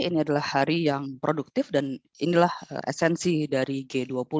ini adalah hari yang produktif dan inilah esensi dari g dua puluh